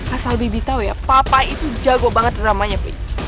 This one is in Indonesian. asal bibi tahu ya papa itu jago banget dramanya